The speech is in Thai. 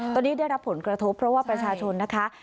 ตอนนี้ได้รับผลกระทบเพราะว่าประชาชนนะคะ